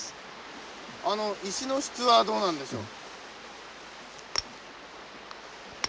あの石の質はどうなんでしょう？